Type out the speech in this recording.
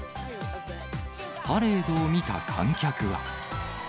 パレードを見た観客は。